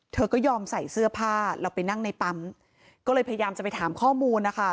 เธอก็ยอมใส่เสื้อผ้าแล้วไปนั่งในปั๊มก็เลยพยายามจะไปถามข้อมูลนะคะ